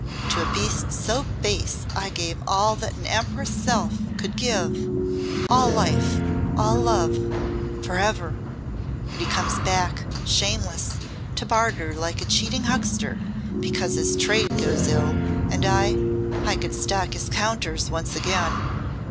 To a beast so base I gave all that an empress' self could give all life all love for ever. And he comes back shameless to barter like a cheating huckster, because his trade goes ill, and I I could stock his counters once again."